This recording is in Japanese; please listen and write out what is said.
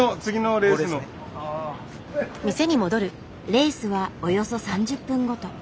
レースはおよそ３０分ごと。